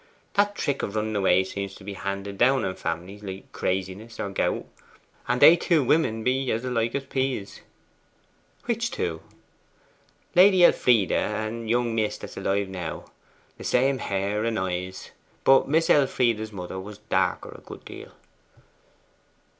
That trick of running away seems to be handed down in families, like craziness or gout. And they two women be alike as peas.' 'Which two?' 'Lady Elfride and young Miss that's alive now. The same hair and eyes: but Miss Elfride's mother was darker a good deal.